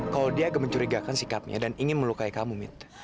kalau dia agak mencurigakan sikapnya dan ingin melukai kamu gitu